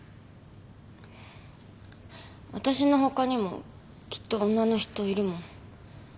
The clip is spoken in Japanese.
わたしのほかにもきっと女の人いるもん。